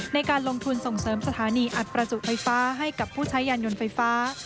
ในการลงทุนส่งเสริมสถานีอัดประจุไฟฟ้าให้กับผู้ใช้ยานยนต์ไฟฟ้า